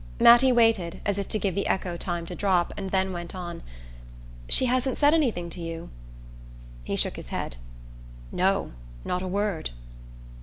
Mattie waited, as if to give the echo time to drop, and then went on: "She hasn't said anything to you?" He shook his head. "No, not a word."